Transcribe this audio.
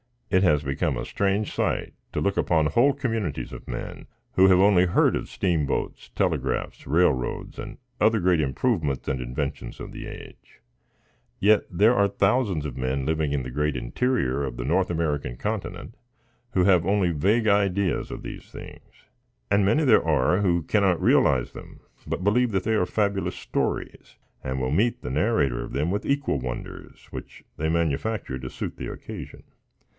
It has become a strange sight to look upon whole communities of men, who have only heard of steamboats, telegraphs, railroads and other great improvements and inventions of the age, yet there are thousands of men living in the great interior of the North American continent who have only vague ideas of these things; and many there are, who cannot realize them, but believe that they are fabulous stories, and will meet the narrator of them with equal wonders, which they manufacture to suit the occasion.